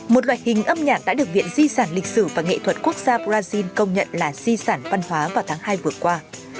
một loại hình âm nhạc đã được viện di sản lịch sử và nghệ thuật quốc gia brazil công nhận là di sản văn hóa vào tháng hai vừa qua